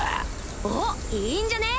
おっいいんじゃね？